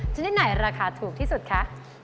ชนิดไหนราคาถูกที่สุดคะ